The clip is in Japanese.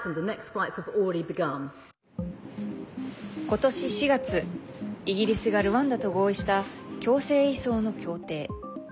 今年４月イギリスがルワンダと合意した強制移送の協定。